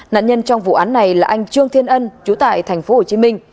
nạn nhân trong vụ án này là anh trương thiên ân chú tại tp hcm